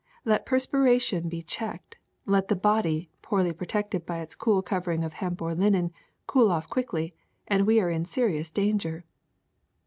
Let perspira tion be checked, let the body, poorly protected by its cool covering of hemp or linen, cool off quickly, and we are in serious danger.